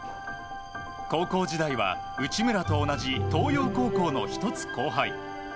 高校時代は内村と同じ東洋高校の１つ後輩。